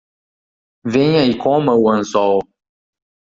Venha e coma o anzol